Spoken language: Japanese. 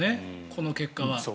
この結果は。